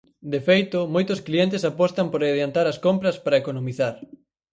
De feito, moitos clientes apostan por adiantar as compras para economizar.